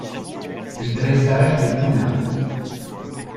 Du dressage des poulains.